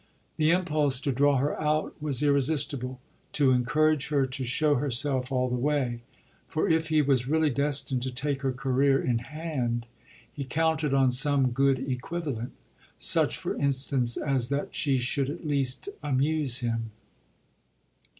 The impulse to draw her out was irresistible, to encourage her to show herself all the way; for if he was really destined to take her career in hand he counted on some good equivalent such for instance as that she should at least amuse him.